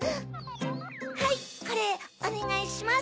はいこれおねがいします！